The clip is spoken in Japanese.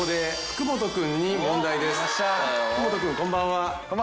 福本君こんばんは。